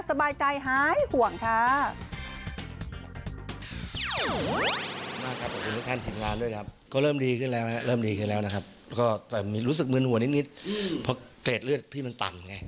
สบายใจหายห่วงค่ะ